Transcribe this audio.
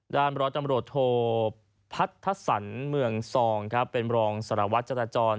ด้านบริษัทตำรวจโทพัฒนศรรย์เมือง๒เป็นบรองสารวัฒนศ์จัตรจร